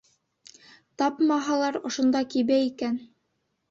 Тапмаһалар, ошонда кибә икән.